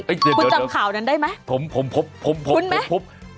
คุณจำข่าวนั้นได้ไหมคุณไหมผมพบผมพบผมพบผมพบคุณไหม